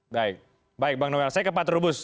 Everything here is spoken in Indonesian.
baik baik bang noel saya ke pak trubus